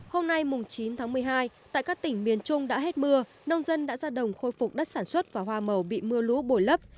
hôm nay chín tháng một mươi hai tại các tỉnh miền trung đã hết mưa nông dân đã ra đồng khôi phục đất sản xuất và hoa màu bị mưa lũ bồi lấp